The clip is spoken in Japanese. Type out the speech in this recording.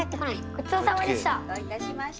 ごちそうさまでした。